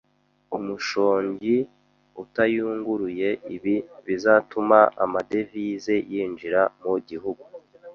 umushongi utayunguruye Ibi bizatuma amadevize yinjira mu Gihugu